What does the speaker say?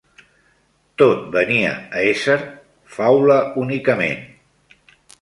Tot venia a ésser faula únicament.